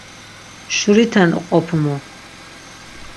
Şuriten oqopumu.